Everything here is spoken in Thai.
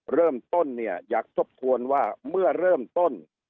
เริ่มต้นเนี่ยอยากทบทวนว่าเมื่อเริ่มต้น